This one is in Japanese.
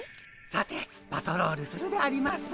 さてパトロールするであります。